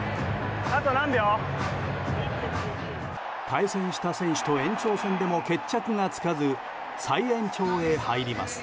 対戦した選手と延長戦でも決着がつかず再延長へ入ります。